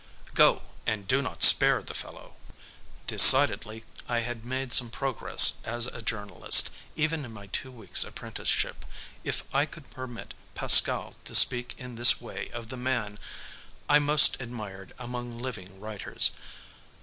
"Go and do not spare the fellow." Decidedly. I had made some progress as a journalist, even in my two weeks' apprenticeship, if I could permit Pascal to speak in this way of the man I most admired among living writers.